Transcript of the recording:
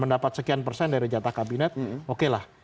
mendapat sekian persen dari jatah kabinet oke lah